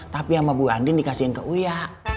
tapi sama bu andin dikasihin ke uya